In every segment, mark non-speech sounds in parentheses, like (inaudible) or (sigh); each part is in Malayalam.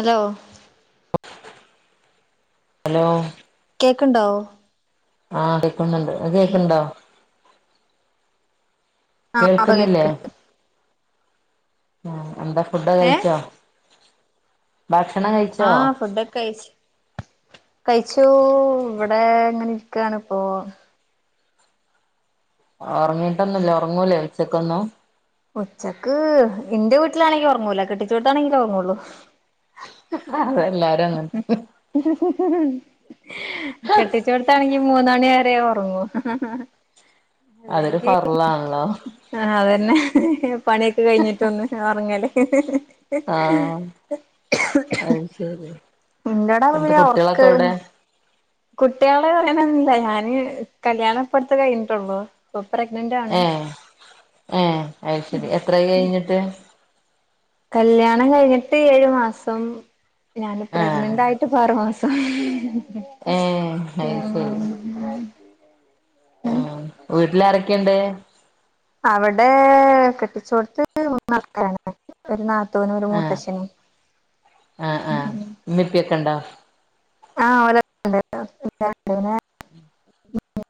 ഹലോ ഹലോ കേക്ക്ണ്ടോ ആഹ് കേക്കുന്നുണ്ട് അനക്ക് കേക്ണ് ണ്ടോ ആഹ് കേൾക്കുന്നില്ലേ പ്പകേക്ക്ണ് ണ്ട് ആഹ് എന്താ ഫുഡ്ഡോക്കെ ഏഹ് കഴിച്ചോ ഭക്ഷണം കഴിച്ചോ ആഹ് ഫുഡൊ ഒക്കെ കയ്ച്ചു കഴിച്ചൂ വടെ ഇങ്ങനെ ഇരിക്കാണ് പ്പോ ഒർങ്ങീട്ടൊന്നുല്ല ഒർങ്ങൂലേ ഉച്ചക്കൊന്നും ഉച്ചക്ക് ഇന്റെ വീട്ട്ലാണെങ്കി ഒർങ്ങൂല. കെട്ടിച്ചോട്ത്താണെങ്കിലേ ഒർങ്ങൊള്ളു. അതെല്ലാരും അങ്ങനെ തന്നെ കെട്ടിച്ചോട്ത്താണെങ്കി മൂന്ന് മണിവരെ ഒർങ്ങും ഹ് ഹാ അതൊരു അല്ലെങ്കി ഫറലാണല്ലോ ആഹ് അതന്നെ പണിയൊക്കെ കഴിഞ്ഞിട്ടൊന്ന് ഒർങ്ങലേ ആഹ് അത് ശരി എന്ത് കുട്ട്യാളൊക്കെ എവിടെ കുട്ട്യാളേ പറയാനൊന്നൂല ഞാൻ കല്യാണം ഇപ്പടത്ത് കൈഞ്ഞിട്ടൊള്ളു. ഏ ഏ അയ്ശെരി എത്രായ് കൈഞ്ഞിട്ട്? കല്ല്യാണം കഴിഞ്ഞിട്ട് ഏഴ് മാസം ഞാൻ പ്രഗ്നന്റായിട്ട് ഇപ്പം ആറ്മാസം സംഹ് ഏ ഐശെരി ആഹ് വീട്ട് ആരെക്കെണ്ട് അവിടേ കെട്ടിച്ചോടത്ത് മൂന്ന് മക്കളാണ് ഒര് നാത്തൂൻ ത്തൂനും ഒര് ആഹ് മൂത്തച്ഛനും ആഹ് മ് ആഹ് മ് ഉമ്മി ഉപ്പിയൊക്കെ ഉണ്ടോ ആഹ് ഒലോക്കണ്ട് പിന്നെ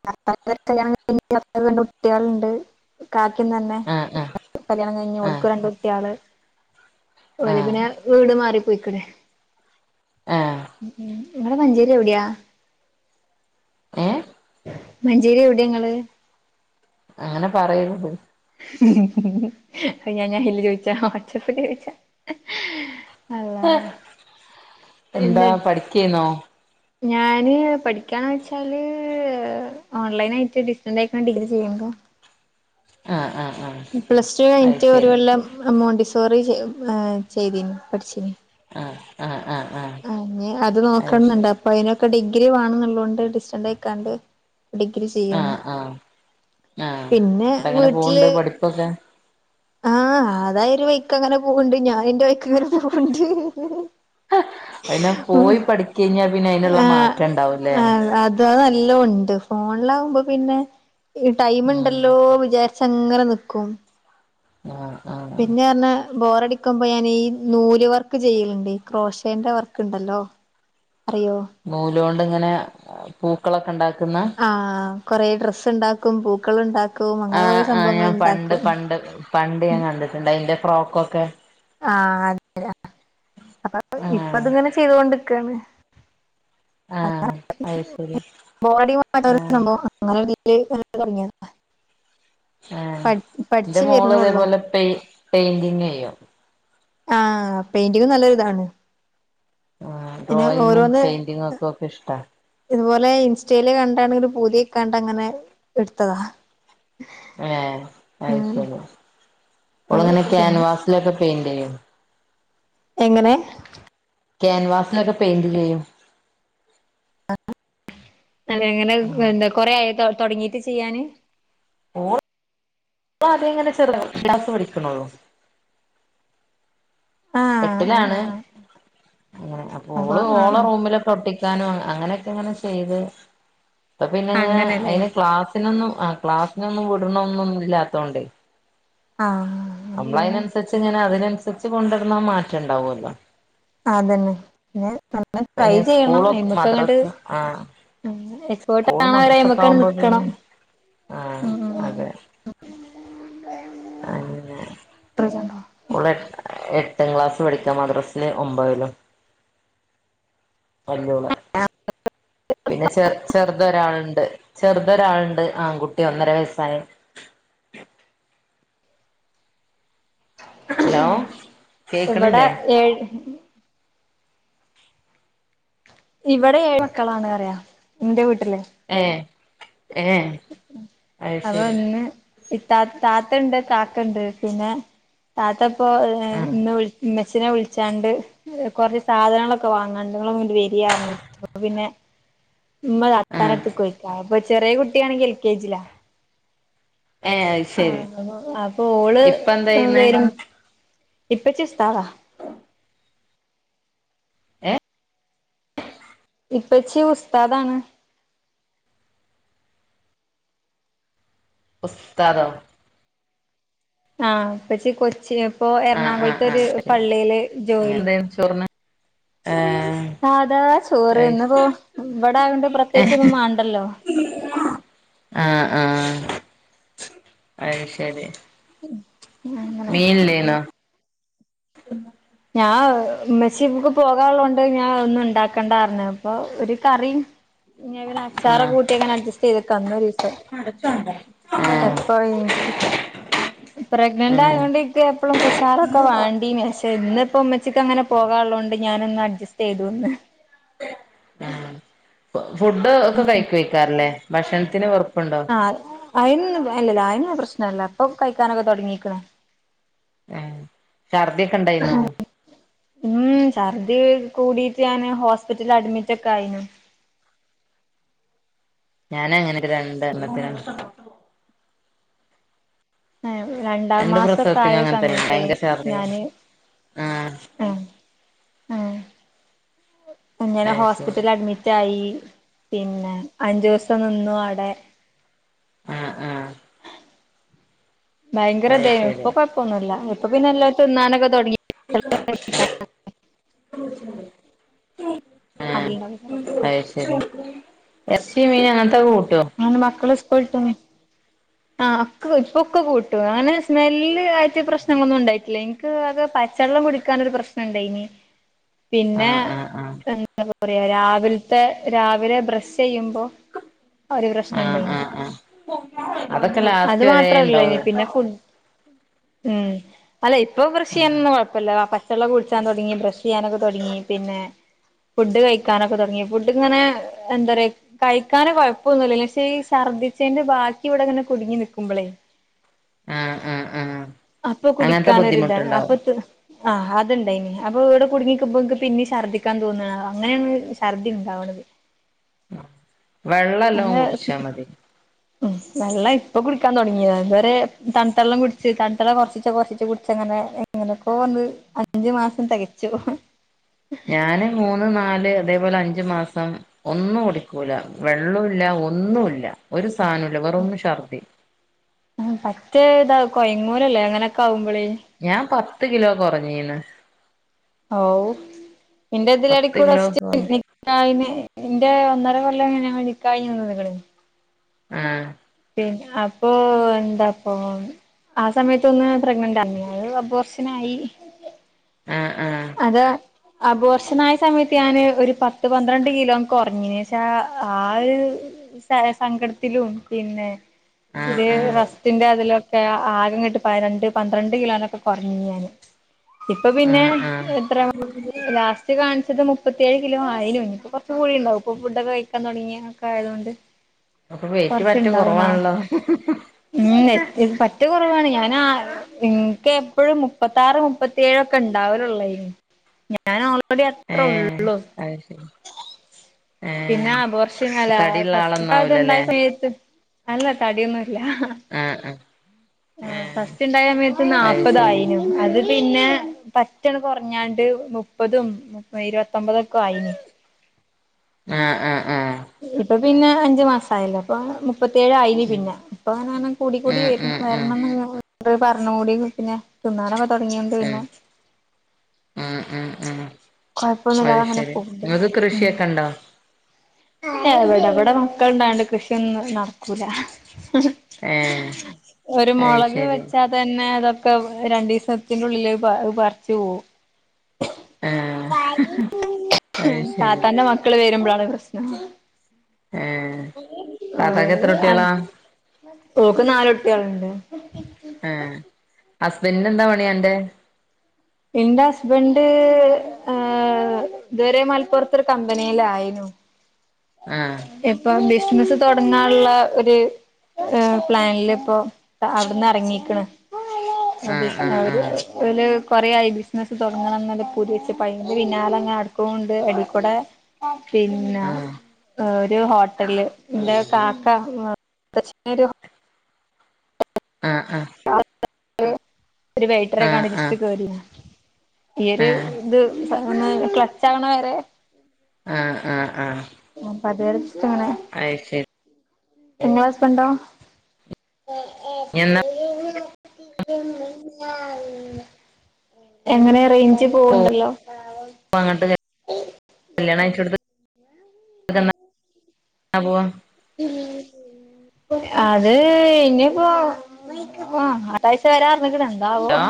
താത്താൻ്റെ കല്യാണം കഴിഞ്ഞിട്ട് രണ്ട് കുട്ട്യാള്ണ്ട് കാക്കീം തന്നെ ആഹ് ആഹ് കല്യാണം കൈഞ്ഞ് ആഹ് ഓൾക്കൂം രണ്ട് കുട്ട്യാള് ഓല് ആഹ് പിന്നെ വീട് മാറി പൊയിക്ക്ണ്. ആഹ് ഇവിടെ മഞ്ചേരി എവിടെയാ ഏ മഞ്ചേരി എവിടെ ഇങ്ങള് അങ്ങനെ പറയരുത് ഹ് ഹ് ഞാൻ ഞാൻ അയിൽ ചോയിച്ച വാട്സപ്പിൽ ചോദിച്ച എന്താ എന്നി പഠിക്കാനോ ഞാന് പഠിക്കണ വെച്ചാല് ഓൺലൈൻ ആയിട്ട് ഡിസ്റ്റിൻസ് ആയി ഡിഗ്രി ചെയ്യുന്നുണ്ട് ആഹ ആഹ് ആഹ് പ്ലസ് ടു അത് കഴിഞ്ഞിട്ട് ഒരു ശരി കൊല്ലം മോണ്ടിസോറിയാം ചെയ്തന് പഠിച്ചീനി ആ ആ അത് നോക്കനുണ്ട് അപ്പൊ അതിനൊക്കെ ഡിഗ്രി വേണംന്നള്ളതൊണ്ട് ഡിസ്റ്റക്കാണ്ട് ഡിഗ്രി ചെയ്യാണ് ആഹ് ആഹ് ആഹ് പിന്നെ ന്നട്ടങ്ങനെ പോവ്ണ്ട് വീട്ടില് പഠിപ്പൊക്കെ ആ അതൊരു വഴിക് പോണുണ്ട് ഞാൻ എന്റെ വഴിക് പോണുണ്ട് പോയി പഠിക്ക കഴിഞ്ഞാ പിന്നെ അതിനുള്ള ആഹ് മാറ്റം ഇണ്ടാവൂല്ലേ ആഹ് അത് ഫോണിലാകുമ്പോ പിന്നെ ഉം ടൈംണ്ടല്ലോ വിചാരിച്ചു അങ്ങനെ നിക്കും ആഹ് ആഹ് പിന്നെ ബോറടിക്കുമ്പോ ഞാൻ ഈ നൂല് വർക്ക് ചെയ്യലുണ്ട് ക്രോഷന്റെ വർക്ക് ഉണ്ടല്ലോ അറിയോ ഇങ്ങനെ പൂക്കളൊക്കെ ഉണ്ടാക്ക ആഹ കൊറെേ ഡ്രസ്സ് ഉണ്ടാക്കും പൂക്കള ഉണ്ടാക്കും ആ അങ്ങനെ കൊറെ ആ് സംഭവങ്ങൾ ഞാൻ പണ്ട് ഉണ്ടാക്കും പണ്ട് പണ്ട് ഞാൻ കണ്ടിട്ടുണ്ട് അതിറെ ഫ്രോക്കൊക്കെ ആഹ അതെ ആ അപ്പൊ ആഹ് ഇപ്പതിങ്ങനെ ചെയ്തൊണ്ടിക്കയാണ് അ ആഹ് അത് ശരി ബോഡി ആഹ് സംഭവം അനെ ആ എന്റെ പഠിച്ചു മോള് വരുന്നള്ളൂ അതേപോലെ പെ പെയിന്റിങ്ങ് ചെയ്യും ആഹ പെയിന്റിങ് നല്ലരിതാണ് ആ ഡ്രോയിങ്ങും പെയിന്റിങ്ങും ഒക്കും ഒക്കെ ഇഷ്ട ഇതുപോലെ ഇൻസ്റ്റയില് കണ്ടാണെങ്കിൽ പൂതിയൊ കണ്ട അങ്ങനെ എടുത്തതാ ആ ഉം അയ്ശേരി ഓളങ്ങനെ പി ക്യാൻവാസിലൊക്കെ പെയിന്റ് ചെയ്യും എങ്ങനെ ക്യാൻവാസിലൊക്കെ പെയിന്റ് ചെയ്യും അതങ്ങനെ കുറെയായോ തുടങ്ങീട്ട് ചെയ്യാന് ഓ അതങ്ങനെ ചെറുതായിട്ട് പഠികണുള്ളു ആഹ് ആഹ് എട്ടിലാണ് ആഹ് അപ്പ അപ്പൊ ഓള് ആഹ് ഓള ആഹ് റൂമിലൊട്ട അങ്ങനക്കെങ്ങനെ ചെയ്ത് അ പിന്നെ അങ്ങനെല്ലേ അയിന് ക്ലാസ്സ്‌ ഒന്നും ആ ക്ലാസ്സിനൊന്നും വിടണന്നൊന്നും ഇല്ലാത്തോണ്ടേ ആഹ നമ്മള അതിനനുസരിച്ച് ഇങ്ങനെ അതിനനുസരിച്ച് കൊണ്ടുനടന്ന മാറ്റ ഉണ്ടാവുമല്ലോ അതന്നെ പിന്നെ നമ്മള് ട്രൈ പിന്നെ സ്കൂൾ ചെയ്യണം അയ്മക്ക് അങ്ങട്ട് മദ്രാസ് ആ എക്സ്പേർട്ട് സ്കൂൾ ആവണവരെ മദ്രസക്കെ അയ്മക്കങ്ങട് ആവുമ്പോ നിക്കണം പിന്നെ ആഹ ഉം ഉം അതെ അങ്ങനെ ഉം ഓള് പത്താം ക്ലാസ് പഠിക്കാം മദ്രാസിൽ ഒമ്പതിലും പിന്നെ ചെർ ചെറുതൊരാളുണ്ട് ചെറുതൊ ഒരാളുണ്ട് ആൺകുട്ടി ഒന്നര വയസ്സായ ഹലോ ഇവിടെ കേക്കണില്ലേ ഏഴ് ഇവിടെ ഏഴ് മക്കളാണ് പറ്യ എന്റെ വീട്ട ഏ ഏ അഹ് ശരി ഈ താത്തണ്ട് കാക്കണ്ട് പിന്നെ താത്തപ്പോ ആഹ് ഇന്ന് വിൾ ഇമ ഛിനെ വിളിച്ചാണ്ട് കൊറ സാധനങ്ങളൊക്കെ വാങ്ങാണ്ട് ങ്ങള് ങ്ങട്ട് വെരി അർഞ്ഞ് അപ്പോ പിന്നെ ഉമ്മത് ആഹ് അത്താനടുത്ത്‌ക്ക് പൊയ് ക്യ അപ്പൊ ചെറിയ കുട്ടിയാണെങ്കി എൽ കെ ജിലാ ഏഹ് അത് ആ ശരി അപ്പൊ ഓള് ഇപ്പ എന്താ ചെയ്യുന്നേ വരും ഇപ്പച്ചി ഉസ്തദാ ഏ ഇപ്പച്ചി ഉസ്താദാണ് ഉസ്ത്താദോ ആഹ ഇപ്പച്ചി കൊച്ചി ഇപ്പൊ ആഹ് ആഹ് ആഹ് എറണാകുളത്ത്ഒരു ശരി പള്ളിയില് ജോല് എന്തായിരുന്നു ചോറിന് സാധാ ചോറ് ഏഹ് ഇന്നിപ്പോ ഇവിടെ ആയോണ്ട് പ്രത്യേകിച്ചൊന്നും മണ്ടല്ലോ ആ ആഹ അത്ശരി അങ്ങനെ ഉ ഞാ മെച്ചിക്ക് പോകാള്ളോണ്ട് ഞാൻ ഒന്നും ഇണ്ടാക്കണ്ടാർ ഞ്ഞ് അപ്പൊ ഒരു കറിം ഇഞ്ഞ്പിന്നെ അച്ചാറെ ആഹ് കൂട്ടിങ്ങനെ അഡ്ജസ്റ്റ് ചെയ്തക്ക അന്ന് ഒരിസം ആഹ് എപ്പനിക്ക് പ്രഗ്നന്റ് ആഹ് ആയോണ്ട് ഇക്ക്എപ്പളും കുഷാറൊക്കെ വേണ്ടീന് പക്ഷെ ഇന്ന്പ്പ ഉമ്മച്ചിക്ക് അങ്ങനെ പോകാനുള്ളോണ്ട് ഞാനൊന്ന് അഡ്ജസ്റ്റ് ചെയ്തുന്ന് ഫുഡ് ഒക്കെ കഴിക്കേക്കാരംല്ലേ ഭക്ഷണത്തിന് വെറുപ്പുണ്ടോ ആഹ് അയിനൊന്നും അല്ലല്ല അയിനൊ പ്രശ്നല്ല അപ്പൊ കഴിക്കാനൊക്കെ തുടങ്ങീ ക്ണേ ആഹ ഛർദിയൊക്കെ ഇണ്ടായിന്നോ ഛർദ് കൂടിയിട്ട് ഞാന് ഹോസ്പിറ്റലിൽ അഡ്മിറ്റ് ഒക്കെ ആയി നു ഞാന അങ്ങനെക്ക രണ്ട് എണ്ണത്തിനും രണ്ടാം രണ്ട് മാസൊക്കെ ആയ പ്രസവത്തിനും സമയത്ത് ഞാന് ആ ആഹ് ആഹ് ഞാൻ ശരി ഹോസ്പിറ്റൽ അഡ്മിറ്റ് ആയി പിന്നെ അഞ്ചോസം നിന്നു അവിടെ ആ ആ ഭയങ്കരം അത് ഇതെനു ശരി ഇപ്പോകൊഴപ്പൊന്നുല്ല ഇപ്പൊ പിന്നെ എല്ലാ തിാനൊക്കെ തൊടങ്ങി ആഹ അതിലുണ്ടാക്കി തരാട്ടോ അത് ശരി എർച്ചി മീൻ അങ്ങനത്തെ കൂട്ട നാന് മക്കള് സ്കൊൾട്ട ആ ഇപ്പൊക്കെ കൂട്ടും അങ്ങനെ സ്മെല്ല് ആയിട്ട് പ്രശ്നങ്ങളൊന്നും ണ്ടായിട്ടില്ല എനിക്ക് അത് പ ച്ചെള്ളം കുടിക്കാനൊരു പ്രശ്നം ണ്ടായിനി പിന്നെ ആഹ് ആഹ് ആഹ് എന്താ പറയാ രാവില് ത്തെ രാവിലെ ബ്രഷ് ചെയ്യുമ്പോ ഒരു പ്രശ്നംണ്ടായി നി അത അത് മാത്രല്ല ഇനി പിന്നെ ഫുഡ ഉ അല്ല ഇപ്പൊ ബ്രഷ് ആഹ് ചെയ്യാനൊന്നും കൊഴപ്പല്ല പച്ചെള്ളംകുടിച്ചാ തൊടങ്ങി ബ്രഷ് ചെയ്യാനൊക്കെ തെടങ്ങി പിന്നെ ഫുഡ് കഴിക്കാനൊക്കെ തുടങ്ങി ഫുഡ് ഇങ്ങനെ എന്താ കഴിക്കാൻ കൊഴപ്പൊന്നുല്ലക്ഷെ ഈ സർദി ചെയ്തിന്റെ ബതീർച്ചയന്റെ ബാക്കി ഇവിടെങ്ങനെ കുടുങ്ങി നിക്കുമ്പളേ ആഹ് ആഹ് ആഹ് അപ്പൊ അങ്ങനത്തെ കുടിക്കാനരു ഇത ബുദ്ധിമുട്ടുണ്ടാവും അപ്പൊ ആ ണ്ടായിനി അപ്പൊ ഇവിടെ കുടുങ്ങിക്കുമ്പോക്ക് പിന്നെ ഛർദിക്കാൻ തോന്ന അങ്ങനെയാണ് ഛർദി ഉണ്ടാവണത് വെള്ളം എല്ലാം കുടിച്ചാ മതി ഉ നല്ല ഇപ്പൊ കുടിക്കാൻ തുടങ്ങിയ ഇതുവരെ തൺ നണ്ടെള്ളം കുടിച്ച്ു തണ്ടുെള്ള കുറ കുറച്ച കുടിച്ചങ്ങനെങ്ങനക്ക ന അഞ്ചു മാസം തകച്ചു ഞാന് മൂന്ന് നാല് അതേപോലെ അഞ്ചു മാസം ഒന്നും ഓടിക്കല വെള്ളമല്ല ഒന്നല്ല ഒരു സാനുൽവറൊന്ന് ഷർദി മറ്റ ഇതാ കൊയങ്ങൂരല്ലേ അങ്ങനെയൊക്കെ ആ ഞാൻ പത്ത് കിലോ കുറഞ്ഞീന്ന് ഓ എന്റെ ഇതിലട പത്ത് കൂടെ കിലോ കൊറ വന്റെ ഒന്നര ല്ലങ്ങങ്ങിക്കഴ നി ഉം അപ്പൊ എന്താപ്പ ആ സമയത്തൊന്ന് പ്രഗ്നന്റ് അമ്മിയ അബർസനായി ആഹ് ആഹ് അതെ അപർഷനായ സമയത്ത് ഞാന് ഒരു പത്ത് പന്ത്രണ്ട് കിലോ ഉറങ്ങീച്ച ആ ഒരു സങ്കടത്തിലും പിന്നെ ഇത് റസ്ത്തിന്റെ അതിലക്കെ ഒെ ആകം കെട്ട് പ രണ്ട് പന്ത്രണ്ട് കിലോനൊക്കെ കുറഞ്ഞ ഞാാന് ഇപ്പൊ പിന്നെ ആഹ് ആഹ് എത്ര മാസ ലാസ്റ്റ് കാണ പത് മുപ്പത്തിേഴ് കിലോ ആാലും ഇനിപ്പൊ കുറച്ച കൂടി ഉണ്ടാവുംപ്പൊ ഫുഡ്ക്കെ കഴിക്കാൻ തുടങ്ങിയൊക്കെ ആയത കൊണ്ട് അപ്പൊ വെയിറ്റ് പറ്റെ കുറച്ചുണ്ടാവുന്നെ കൊറവാണല്ലോ പറ്റ കുറവാണ് ഞാൻ പി എനിക്ക് എപ്പോഴും മുപ്പത്ത ആറ് മുപ്പത്തിയേഴ് ഒക്കെ ഉണ്ടാവലുള്ളേ ഞാൻ ഓൾറെഡി അത്രേ ഏഹ് ഉള്ളു അത് ശരി ഏഹ് പിന്നെ വർഷങ്ങാല ഫ തടിയുള്ള അണ്ടായ ആളൊന്നാവൂലല്ലേ സമയത്ത് അല്ല തടിയൊന്ന് ഉണ്ടായ ആഹ് ആഹ് ഏഹ് സമ അത് നാപ്പതും ശരി ആയിനു പിന്നെ പറ്റണ കുറഞ്ഞാണ്ട് മുപ്പതും ഇരുപത്തൊമ്പതൊക്കെ ആയിന് ആഹ ആഹ ഇപ്പൊ പിന്നെ അഞ്ചു മാസ ആയല്ല അപ്പൊ മുപ്പത്തേഴ് ആായിന് ഉം പിന്നെ ഇപ്പ അങ്ങനങ്ങനെ കൂട കൂടി ഉം വ ഉം ഉം വരണം കു പറഞ്ഞ കൂടി പിന്നെ ചണാനൊക്കെ തുടങ്ങിയൊണ്ട് പിന്നെ ഉ ഉ ഉ അ കൊഴപ്പൊന്നുമില്ലാതെ അങ്ങനെ ശരി പോക്ണ്ട് നിങ്ങക്ക് ഉം കൃഷിയൊക്കെ ഉണ്ടോ (inaudible) എവിടെ എവിടെ മക്കള ഇണ്ടായണ്ട് കൃഷിയൊന്നും നടക്കൂല ഏഹ് ഒരു അത് മുളക് ശരി വെച്ചാ തന്നെ അത ക്കെ രണ്ടു ദിവസത്തിന്റെള്ളില് പറച്ച് പോവും ആഹ് അത് ശരി തന്റെ മക്കള് വരുമ്പോഴാണ് കഷ്ന ഉ ഏഹ് താത്താക്ക് എത്ര കുട്ടികളാ ക്ക് നാലൊട്ടികളുണ്ട് ആ ഹസ്ബൻഡന് എന്താ പണിയന്റെ എന്റെ ഹസ്ബൻഡ് ഇതുവരെ മലപ്പുറത്ത് ഒരു കമ്പനിയിലായിന്നു (inaudible) ആഹ് ഇപ്പൊ ബിസ്നസ് തുടങ്ങാനുള്ള ഒരു പ്ലാനില ഇപ്പൊ അവിടുന്ന് ഇറങ്ങീക്കണ അത ആഹ് അവര് ആഹ് അ കൊറയായി ബിസിനസ്സ് തുടങ്ങണം എന്നല്ല പൂരിച്ച് പയന്റെ വിനാലങ്ങനെ അടുക്കണ്ട് അടിക്കൂടെ പിന്നെ ഒരു ഹോട്ടല് എന്റെ കാക്ക ആഹ് ആഹ് ഒരു വൈറ്ററെ കണ്ട് ആഹ് ആഹ് ജസ്റ്റ് ആഹ് കേറ ആഹ് ഈര് ഇത് ക്ലച്ച് ആവണ വേരെ ആഹ് ആഹ് ആഹ് ആഹ് അപ്പ അതരച്ചട്ടങ്ങണെ അത് ശരി ഇങ്ങളെ ഇനി ഹസ്ബന്റോ എന്നാ (inaudible) എങ്ങനെറച് പോവാ പോവണ്ടല്ലോ അങ്ങോട്ട് കല്യാണം അഴച്ചെടുത്ത് പോവാ (inaudible) അത് ഇനിപ്പോ അ അത്താഴ്ച വരാറഞ്ഞ്ക്ക്ണ്. ആവോ ഹലോ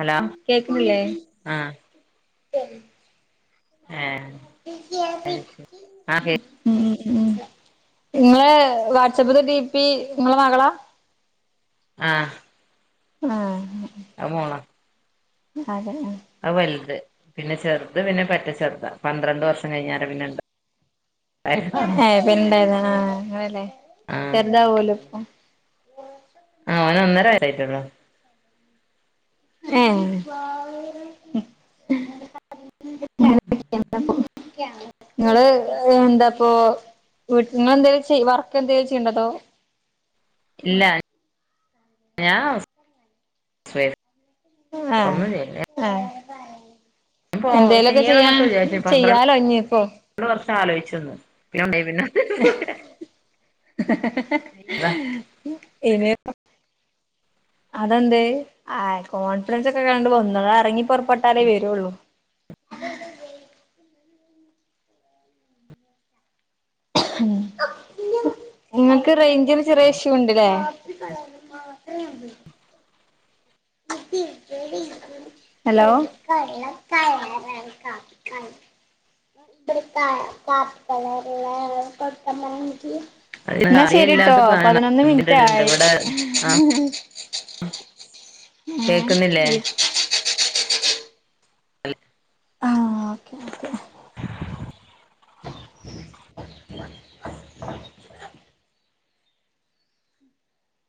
ഹലോ കേക്കുന്നില്ലേ? ട്ടെരി ഏഹ അയ്ശരി ആ കേ ഉം ഉം ഇങ്ങളെ വാട്‌സപ്പ്ത്തെ ഡിപി ഇങ്ങളെ മകളാ? ആഹ ആഹ ആ മോളാ. അതെ. അഹ് വലുത് പിന്നെ ചെറുത് പിന്നെ പറ്റ ചെറുതാ പന്ത്രണ്ട് വർഷം കഴിഞ്ഞാണ് പിന്നെ ഇണ്ട ഏഹ് പിൻണ്ടാര്ന്നതാ ആഹ് അങ്ങനല്ലേ ആഹ് ചെറുതാവൂലപ്പൊ ആഹ് ഓന് ഒന്നര വയസായിട്ടൊള്ളു ഏഹ് (unintelligible) (unintelligible) ങ്ങള് എന്താപ്പോ വീട്ട് ഇങ്ങളെന്തേലും ചെയ്യ വർക്കന്തേലും ചെയ്യുണ്ടോ അതോ ഇല്ല ഞാൻ ഹൌസ് വൈഫാ ഏഹ് ഏഹ് ഞാൻ പോ എന്തേലൊക്കെ ചെയ്യാ ചെയ്യണംന്നൊക്കെ ചെയ്യാലോ ഞ്ഞിപ്പൊ. ആലോയിച്ച്ന്ന് (unintelligible) ഇത് പ്പം അതെന്തേയ് ആ കോൺഫിഡൻസൊക്കെ കണ്ട് വന്നതാ അതറങ്ങി പൊറപ്പെട്ടാലേ വരൊള്ളൂ. ഇങ്ങക്ക് റൈഞ്ചിന് ചെറിയ ഇഷ്യുണ്ട്ല്ലേ? ഹലോ അത് ന്നാ ശരീട്ടോ അറിയില്ലാത്ത സാധനാണ് പതിനൊന്ന് എന്തിടണ്ട് മിൻറ്റായി ഇവിടെ ആഹ് കേക്കുന്നില്ലേ ഏഹ് ഉം അൽ ആഹ് ഓക്കേ ഓക്കേ.